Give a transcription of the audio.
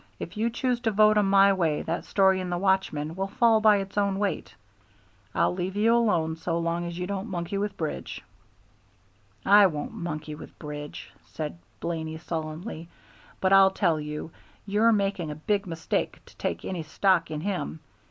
If you choose to vote 'em my way that story in The Watchman will fall by its own weight. I'll leave you alone so long as you don't monkey with Bridge." "I won't monkey with Bridge," said Blaney, sullenly; "but I'll tell you, you're making a big mistake to take any stock in him.